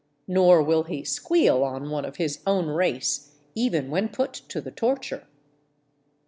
Nor will he '' squeal " on one of his own race, even A^hen put to the torture.